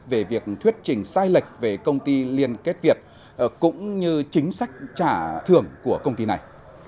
về việc thuyết trình sai lệch về công ty liên kết việt cũng như chính sách trả thưởng của công ty này